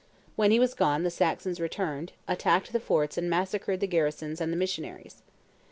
When he was gone the Saxons returned, attacked the forts and massacred the garrisons and the missionaries.